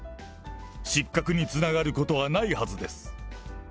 失格につながることはないはずです。